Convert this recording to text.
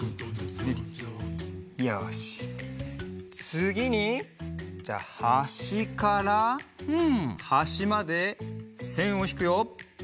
つぎにじゃあはしからはしまでせんをひくよ。